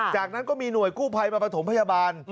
จากนั้นก็มีหน่วยกู้ภัยมาประถมพยาบาล